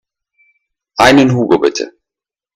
Einen Hugo bitte.